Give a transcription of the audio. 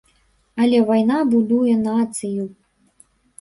Але вайна будуе нацыю.